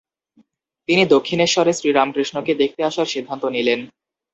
তিনি দক্ষিণেশ্বরে শ্রীরামকৃষ্ণকে দেখতে আসার সিদ্ধান্ত নিলেন।